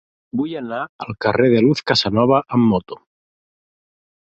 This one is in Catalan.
Vull anar al carrer de Luz Casanova amb moto.